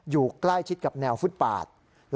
อยู่ใกล้ชิดกับแนวฟุตปาด